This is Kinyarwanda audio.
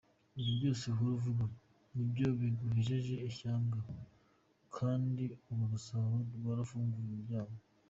Ibyo byose uhora uvuga nibyo biguhejeje ishyanga kandi urwa Gasabo rwarafunguye imiryango.